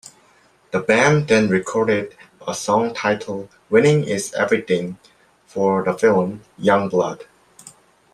The band then recorded a song titled "Winning Is Everything" for the film "Youngblood".